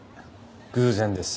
偶然です。